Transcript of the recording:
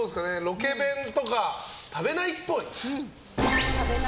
ロケ弁とか食べないっぽい。